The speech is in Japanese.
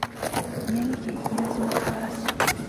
宮城県東松島市